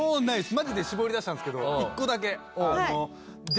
マジで絞り出したんですけど１個だけ。